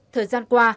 thời gian qua